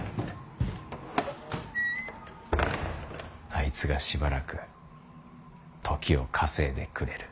あいつがしばらく時を稼いでくれる。